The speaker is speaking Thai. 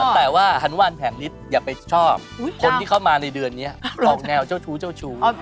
แต่ว่าอนุมารแผงฤทธิ์อย่าไปชอบคนที่เข้ามาในเดือนนี้ออกแนวเจ้าชู้